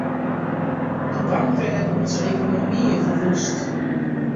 De banken hebben onze economieën verwoest.